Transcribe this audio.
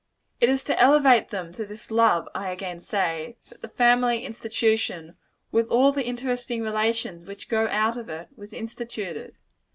It is to elevate them to this love, I again say, that the family institution, with all the interesting relations which grow out of it, was instituted.